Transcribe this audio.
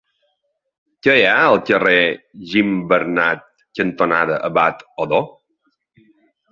Què hi ha al carrer Gimbernat cantonada Abat Odó?